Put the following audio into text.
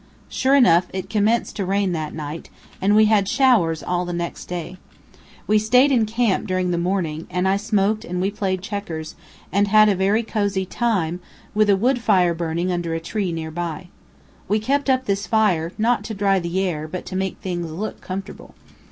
Sure enough, it commenced to rain that night, and we had showers all the next day. We staid in camp during the morning, and I smoked and we played checkers, and had a very cosy time, with a wood fire burning under a tree near by. We kept up this fire, not to dry the air, but to make things look comfortable.